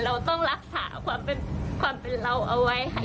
เราต้องรักษาความเป็นเราเอาไว้ค่ะ